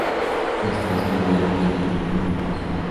Los tres primeros ya fueron demolidos.